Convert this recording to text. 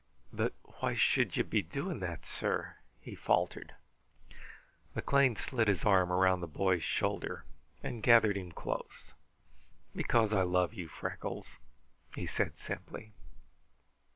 "But why should you be doing that, sir?" he faltered. McLean slid his arm around the boy's shoulder and gathered him close. "Because I love you, Freckles," he said simply.